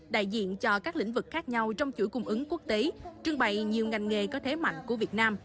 đại diện cho các lĩnh vực khác nhau trong chuỗi cung ứng quốc tế trưng bày nhiều ngành nghề có thế mạnh của việt nam